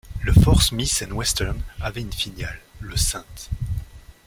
Le Fort Smith and Western avait une filiale, le St.